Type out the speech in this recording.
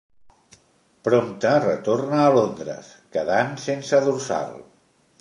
Prompte retorna a Londres, quedant sense dorsal.